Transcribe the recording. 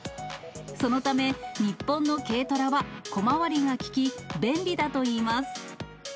そのため、日本の軽トラは小回りが利き、便利だといいます。